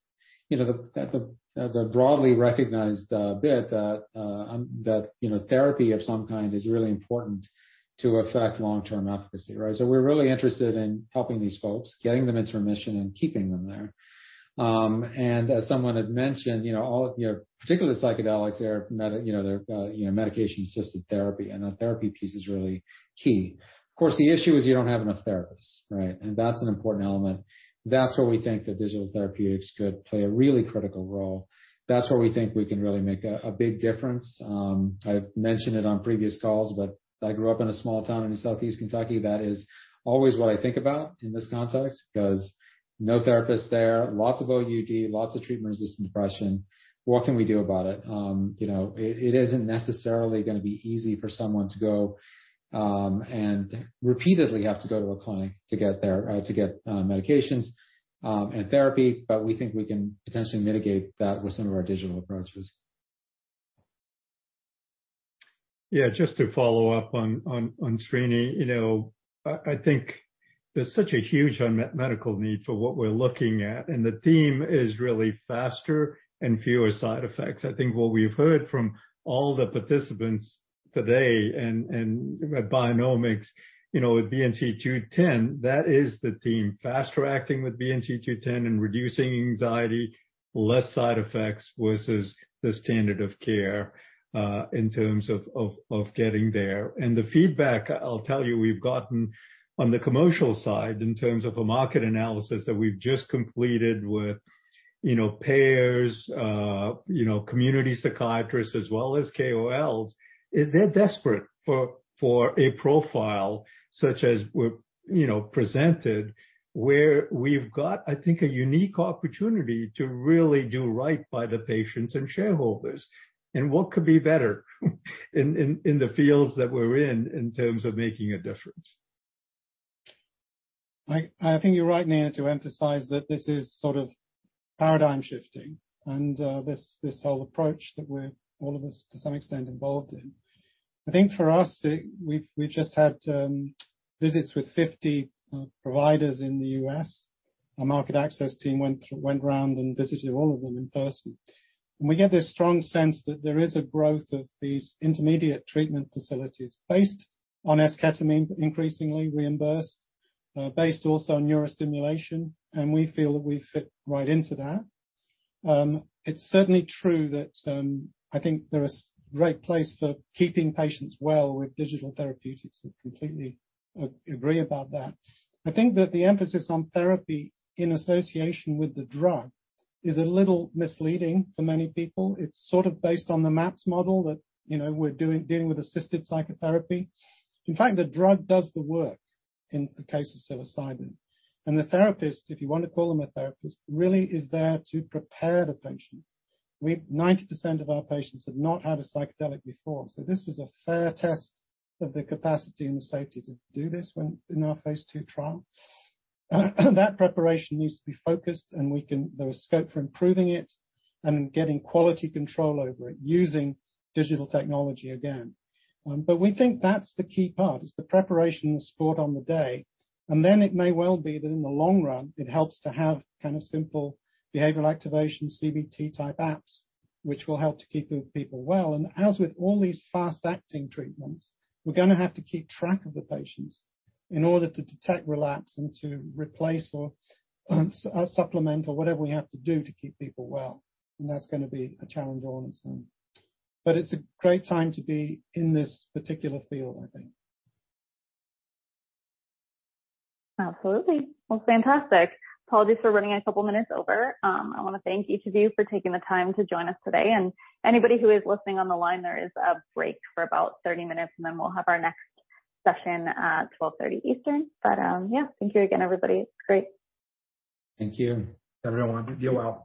the broadly recognized bit that therapy of some kind is really important to affect long-term efficacy, right? We're really interested in helping these folks, getting them into remission, and keeping them there. As someone had mentioned, particularly the psychedelics, they're medication-assisted therapy, and the therapy piece is really key. Of course, the issue is you don't have enough therapists, right? That's an important element. That's where we think that digital therapeutics could play a really critical role. That's where we think we can really make a big difference. I've mentioned it on previous calls, but I grew up in a small town in Southeast Kentucky. That is always what I think about in this context because no therapists there, lots of OUD, lots of treatment-resistant depression. What can we do about it? It isn't necessarily going to be easy for someone to go and repeatedly have to go to a clinic to get medications and therapy, but we think we can potentially mitigate that with some of our digital approaches. Yeah, just to follow up on Srini, I think there's such a huge medical need for what we're looking at, and the theme is really faster and fewer side effects. I think what we've heard from all the participants today and at Bionomics, with BNC210, that is the theme, faster acting with BNC210 and reducing anxiety, less side effects versus the standard of care in terms of getting there. The feedback, I'll tell you, we've gotten on the commercial side in terms of a market analysis that we've just completed with payers, community psychiatrists, as well as KOLs, is they're desperate for a profile such as presented where we've got, I think, a unique opportunity to really do right by the patients and shareholders. What could be better in the fields that we're in in terms of making a difference? I think you're right, Nina, to emphasize that this is sort of paradigm shifting and this whole approach that we're all of us to some extent involved in. I think for us, we've just had visits with 50 providers in the U.S. A market access team went around and visited all of them in person. We get this strong sense that there is a growth of these intermediate treatment facilities based on esketamine increasingly reimbursed, based also on neurostimulation, and we feel that we fit right into that. It is certainly true that I think there is a great place for keeping patients well with digital therapeutics. We completely agree about that. I think that the emphasis on therapy in association with the drug is a little misleading for many people. It is sort of based on the MAPS model that we're dealing with assisted psychotherapy. In fact, the drug does the work in the case of psilocybin. The therapist, if you want to call them a therapist, really is there to prepare the patient. 90% of our patients have not had a psychedelic before. This was a fair test of the capacity and the safety to do this in our phase II trial. That preparation needs to be focused, and there is scope for improving it and getting quality control over it using digital technology again. We think that's the key part, the preparation and the support on the day. It may well be that in the long run, it helps to have kind of simple behavioral activation, CBT-type apps, which will help to keep people well. As with all these fast-acting treatments, we're going to have to keep track of the patients in order to detect relapse and to replace or supplement or whatever we have to do to keep people well. That's going to be a challenge all on its own. It is a great time to be in this particular field, I think. Absolutely. Fantastic. Apologies for running a couple of minutes over. I want to thank each of you for taking the time to join us today. Anybody who is listening on the line, there is a break for about 30 minutes, and then we'll have our next session at 12:30 P.M. Eastern. Thank you again, everybody. It's great. Thank you. Thank you, everyone. You're welcome.